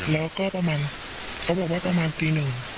แล้วก็ประมาณเขาบอกว่าประมาณตีหนึ่ง